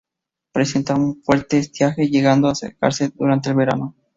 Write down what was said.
Presenta un fuerte estiaje, llegando a secarse durante el verano.